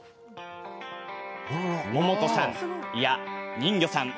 百桃子さん、いや、人魚さん